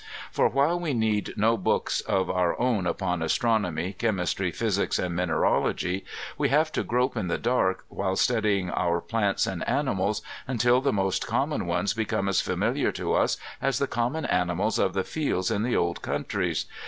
For while we need no books of our own upon astronomy, chem istry, physics and mineralogy, we have to grope in the dark while studying our plants and animals until the most common ones become as familiar to us as the common animals of the fields in the old countries.